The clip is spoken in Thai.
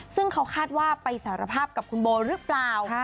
ซึ่งเขาคาดว่าไปสารภาพกับคุณโบหรือเปล่า